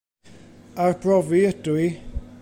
Arbrofi ydw i.